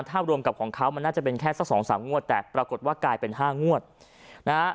ถ้ารวมกับของเขามันน่าจะเป็นแค่สักสองสามงวดแต่ปรากฏว่ากลายเป็น๕งวดนะฮะ